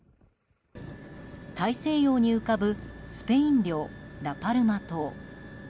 大西洋に浮かぶスペイン領ラ・パルマ島。